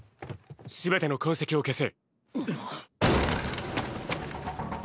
すべての痕跡を消せ。